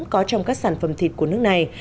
có trong các sản phẩm thịt của nước này